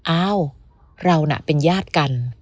อ้าวเราน่ะเป็นญาติกัน